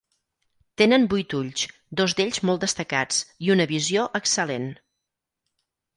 Tenen vuit ulls, dos d'ells molt destacats i una visió excel·lent.